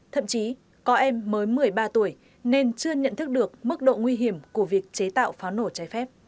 thậm chí có em mới một mươi ba tuổi nên chưa nhận thức được mức độ nguy hiểm của việc chế tạo pháo nổ trái phép